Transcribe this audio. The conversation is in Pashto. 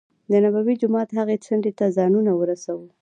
دنبوي جومات هغې څنډې ته ځانونه ورسو.